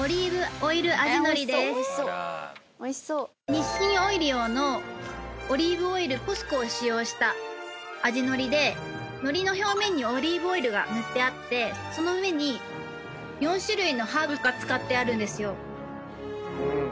日清オイリオのオリーブオイルＢＯＳＣＯを使用した味のりでのりの表面にオリーブオイルが塗ってあってその上に４種類のハーブが使ってあるんですよ。